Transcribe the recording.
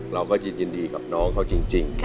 เราก็ยินดีกับน้องเขาจริง